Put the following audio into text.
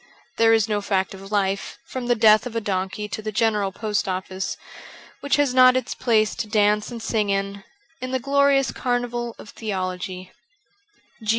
There is no fact of life, from the death of a donkey to the General Post Office, which has not its place to dance and sing in, in the glorious carnival of theology.